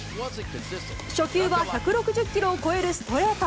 初球は１６０キロを超えるストレート。